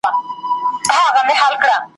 او په برخه یې ترمرګه پښېماني سي !.